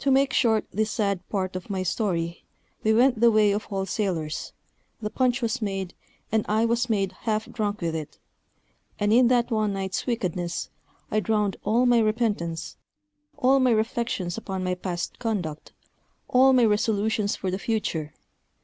To make short this sad part of my story, we went the way of all sailors; the punch was made, and I was made half drunk with it; and in that one night's wickedness I drowned all my repentance, all my reflections upon my past conduct, all my resolutions for the future.